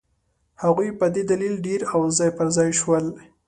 هغوی په دې دلیل ډېر او ځای پر ځای شول.